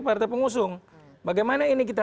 partai pengusung bagaimana ini kita